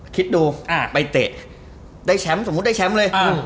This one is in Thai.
คิดดูไปเตะสมมุติได้แชมป์เลย